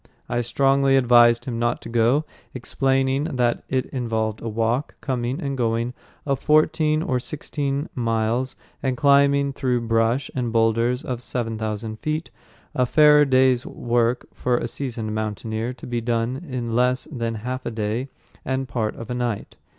I strongly advised him not to go, explaining that it involved a walk, coming and going, of fourteen or sixteen miles, and a climb through brush and boulders of seven thousand feet, a fair day's work for a seasoned mountaineer to be done in less than half a day and part of a night.